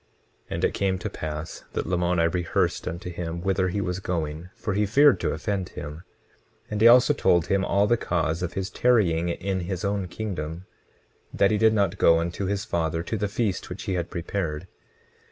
20:11 And it came to pass that Lamoni rehearsed unto him whither he was going, for he feared to offend him. 20:12 And he also told him all the cause of his tarrying in his own kingdom, that he did not go unto his father to the feast which he had prepared.